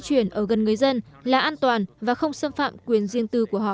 các nhà nghiên cứu cần người dân là an toàn và không xâm phạm quyền riêng tư của họ